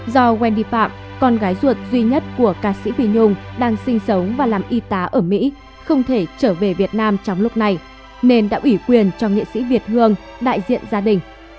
do wendy phạm con gái ruột duy nhất của ca sĩ vi nhung đang sinh sống và làm y tá ở mỹ không thể trở về việt nam trong lúc này nên đã ủy quyền cho nghệ sĩ việt hương đại diện gia đình